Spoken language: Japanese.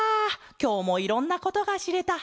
きょうもいろんなことがしれた。